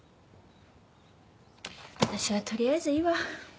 私は取りあえずいいわ。